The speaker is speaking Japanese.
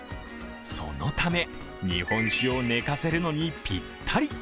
そのため日本酒を寝かせるのにぴったり。